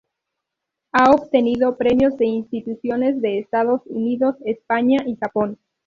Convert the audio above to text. Ha obtenido premios de instituciones de Estados Unidos, España y Japón.